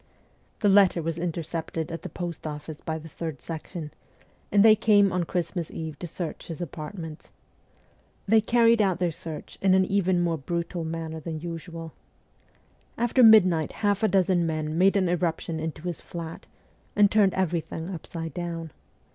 The letter was intercepted at the post office by the Third Section, and they came on Christmas Eve to search his apart ments. They carried out their search in an even more brutal manner than usual. After midnight half a dozen men made an irruption into his flat, and turned everything upside down.